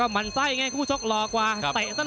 ก็มันไซ่ไงคู่ชกหล่อกว่าเตะซะเลย